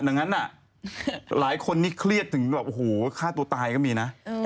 งั้นหลายคนเครียดถึงว่าฮู้ฆ่าตัวตายก็มีนะ